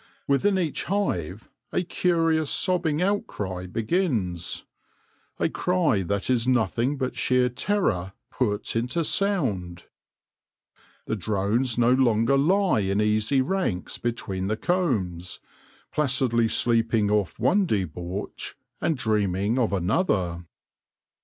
Within each hive a curious sobbing outcry begins — a cry that is nothing but sheer terror put into sound. The drones no longer lie in easy ranks between the combs, placidly sleeping off one debauch and dream ing of another.